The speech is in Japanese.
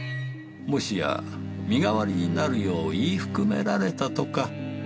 もしや身代わりになるよう言い含められたとか。